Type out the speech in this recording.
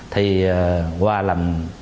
thì qua làm